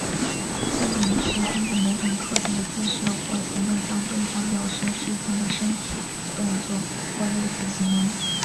敬礼是通过某种特定的姿势或行动向对方表示致敬的身体动作或类似行为。